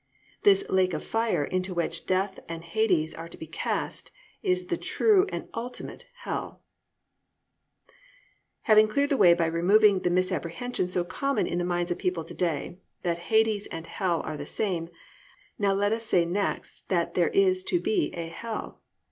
This +"lake of fire"+ into which death and Hades are to be cast, is the true and ultimate Hell. II. THERE IS TO BE A LITERAL HELL Having cleared the way by removing the misapprehension so common in the minds of people to day, that Hades and Hell are the same, now let us say next that there is to be a Hell.